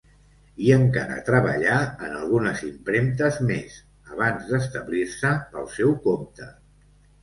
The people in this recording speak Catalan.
I encara treballà en algunes impremtes més abans d'establir-se pel seu compte.